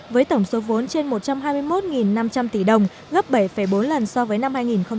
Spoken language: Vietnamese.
với tổng số vốn trên một trăm hai mươi một năm trăm linh tỷ đồng gấp bảy bốn lần so với năm hai nghìn một mươi